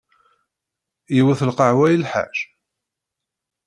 Yiwet n lqahwa i lḥaǧ?